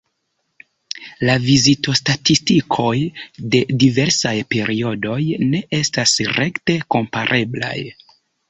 La vizitostatistikoj de diversaj periodoj ne estas rekte kompareblaj.